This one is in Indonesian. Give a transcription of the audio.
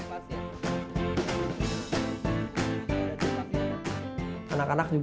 anak anak juga akan lebih memilih